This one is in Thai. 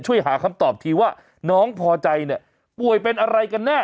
ช่วยหาคำตอบทีว่าน้องพอใจเนี่ยป่วยเป็นอะไรกันแน่